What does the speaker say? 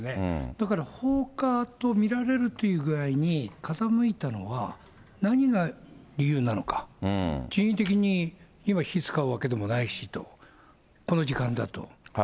だから放火と見られるという具合に傾いたのは、何が理由なのか、人為的に、火を使うわけはないしと、この時間だと。